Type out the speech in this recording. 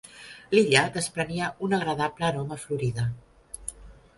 L'illa desprenia una agradable aroma "florida".